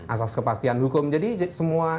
asas kepastian hukum jadi semua